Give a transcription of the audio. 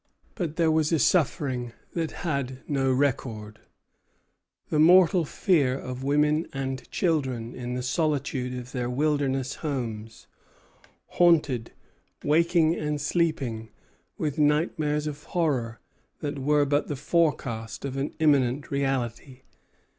But there was a suffering that had no record, the mortal fear of women and children in the solitude of their wilderness homes, haunted, waking and sleeping, with nightmares of horror that were but the forecast of an imminent reality.